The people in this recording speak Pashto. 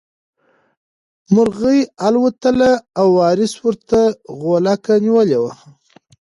مرغۍ الوتله او وارث ورته غولکه نیولې وه.